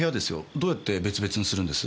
どうやって別々にするんです？